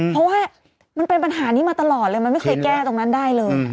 เพราะว่ามันเป็นปัญหานี้มาตลอดเลยมันไม่เคยแก้ตรงนั้นได้เลย